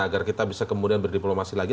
agar kita bisa kemudian berdiplomasi lagi